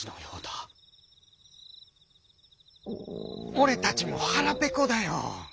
「おれたちもはらぺこだよ」。